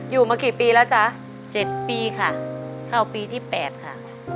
อยู่มากี่ปีแล้วจ๊ะ๗ปีค่ะเข้าปีที่๘ค่ะ